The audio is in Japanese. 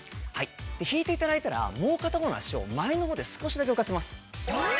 引いていただいたら、もう片方の足を前のほうで少しだけ浮かします。